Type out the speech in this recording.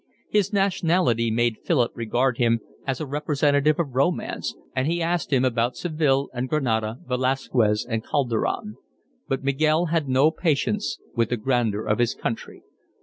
His nationality made Philip regard him as a representative of romance, and he asked him about Seville and Granada, Velasquez and Calderon. But Miguel had no patience with the grandeur of his country.